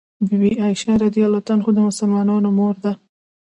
بي بي عائشه رض د مسلمانانو مور ده